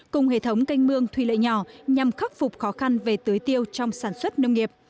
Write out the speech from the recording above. cùng hệ thống canh mương thủy lợi nhỏ nhằm khắc phục khó khăn về tưới tiêu trong sản xuất nông nghiệp